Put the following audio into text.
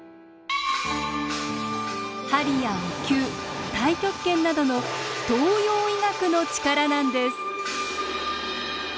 鍼やお灸太極拳などの東洋医学のチカラなんです。